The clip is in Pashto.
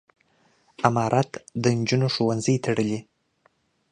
امارت د نجونو ښوونځي تړلي.